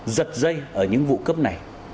giật dây ở những vụ cướp này